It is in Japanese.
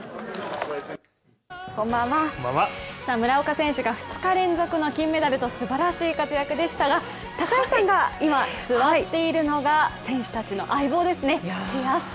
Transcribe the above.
村岡選手が２日連続の金メダルと、すばらしい活躍でしたが、高橋さんが今、座っているのが選手たちの相棒ですね。